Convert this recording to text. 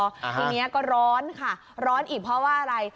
ทีนี้ก็ร้อนค่ะร้อนอีกเพราะว่าอะไร